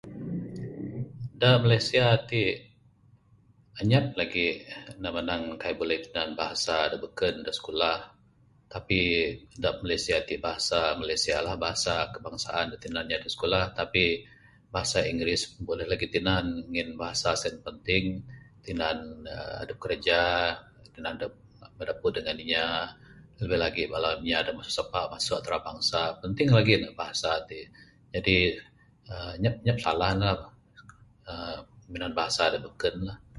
Da Malaysia ti anyap lagi ne manang kaie buleh minan bahasa da beken da sikulah tapi da Malaysia ti bahasa Malaysia lah bahasa kebangsaan da tinan inya da sikulah tapi bahasa Inggeris buleh lagi tinan ngin bahasa sien penting tinan aaa adep kerja, tinan adep bidapud dengan inya lebih-lebih lagi bala inya da masu sapa masu antarabangsa. Penting lagi ne bahasa ti. Jadi anyap aaa anyap salah ne aaa minan bahasa da beken lah.